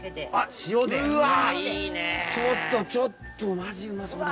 塩でちょっとちょっとマジうまそうだな。